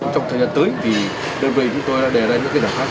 trong thời gian tới đơn vị chúng tôi đã đề ra những cái đảm bảo